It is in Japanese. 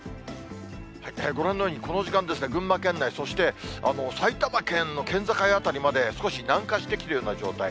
ご覧のようにこの時間、群馬県内、そして埼玉県の県境辺りまで、少し南下してきてるような状態。